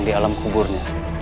kita pasti akan selamat